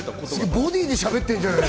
ボディーでしゃべってんじゃん。